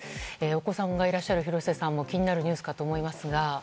お子さんがいらっしゃる廣瀬さんも気になるニュースかと思いますが。